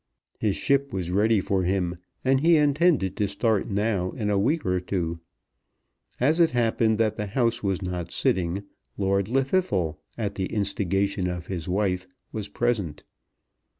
His ship was ready for him, and he intended to start now in a week or two. As it happened that the House was not sitting, Lord Llwddythlw, at the instigation of his wife, was present.